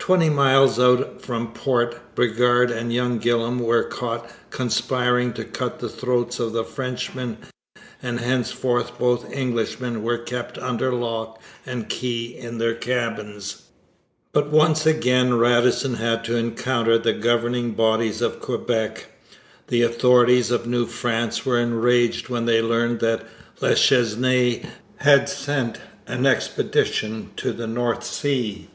Twenty miles out from port, Bridgar and young Gillam were caught conspiring to cut the throats of the Frenchmen, and henceforth both Englishmen were kept under lock and key in their cabins. But once again Radisson had to encounter the governing bodies of Quebec. The authorities of New France were enraged when they learned that La Chesnaye had sent an expedition to the North Sea.